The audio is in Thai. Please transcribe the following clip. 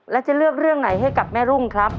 แล้วจะเลือกเรื่องไหนให้กับแม่รุ่งครับ